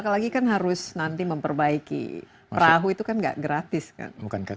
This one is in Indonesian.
apalagi kan harus nanti memperbaiki perahu itu kan gak gratis kan